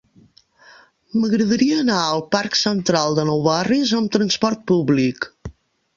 M'agradaria anar al parc Central de Nou Barris amb trasport públic.